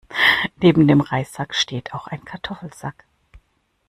Neben dem Reissack steht auch ein Kartoffelsack.